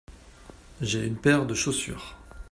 J’ai une paire de chaussures.